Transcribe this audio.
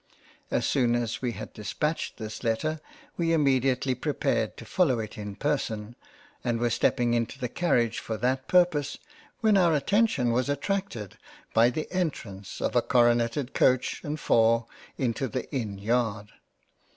As soon as we had dispatched this Letter, we immediately prepared to follow it in person and were stepping into the Carriage for that Pur pose when our attention was attracted by the Entrance of a coroneted Coach and 4 into the Inn yard.